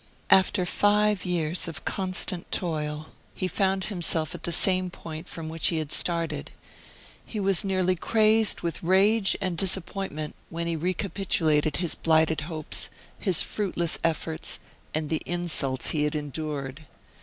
After five years of constant toil, he found himself at the same point from which he had started. He was nearly crazed with rage and disappointment when he recapitulated his blighted hopes, his fruitless efforts, and the insults he had endured.